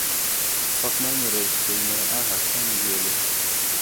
Kəfakuma mərez keme a ghay aslane wele.